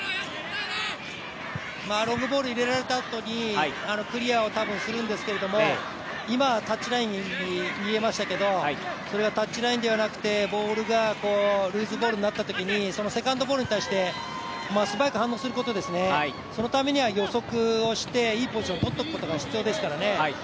ロングボールを入れられたあとにクリアを多分するんですが今、タッチラインに見えましたけどそれがタッチラインではなくてボールがルーズボールになったときに、セカンドボールに対して素早く反応することですね、そのためには予測をして、いいポジションをとっておくことが必要ですよね。